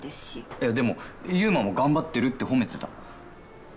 いやでも優馬も「頑張ってる」って褒めてた。